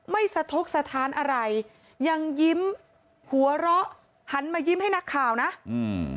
สะทกสถานอะไรยังยิ้มหัวเราะหันมายิ้มให้นักข่าวนะอืม